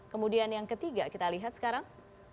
kemudian yang ketiga kita lihat sekarang